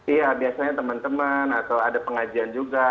iya biasanya teman teman atau ada pengajian juga